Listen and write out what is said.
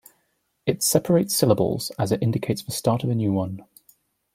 It separates syllables, as it indicates the start of a new one.